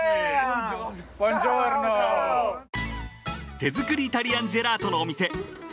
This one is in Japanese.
［手作りイタリアンジェラートのお店］